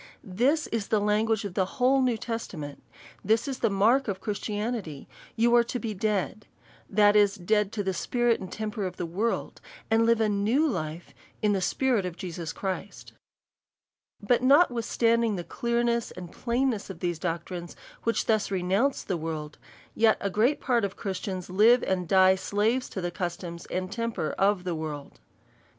This is the lan guage of the New Testament. This is the mark of Christianity ; you are to be dead ; that is, dead to the spirit and temper of the world, and live a new life in the Spirit of Jesus Christ, But notwithstanding the clearness and plainness of these doctrines which thus renounce the world, yet great part of Christians live and die slaves to the cus toms and tempers of the world.